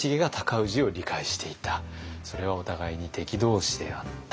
それはお互いに敵同士であった。